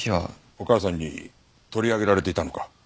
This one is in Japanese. お母さんに取り上げられていたのか。